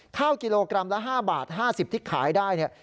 ข้าวกิโลกรัมละ๕บาท๕๐ที่ขายได้เนี่ย